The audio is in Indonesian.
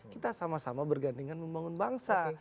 kita sama sama bergandingan membangun bangsa